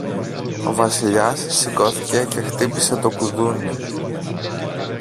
Ο Βασιλιάς σηκώθηκε και χτύπησε το κουδούνι.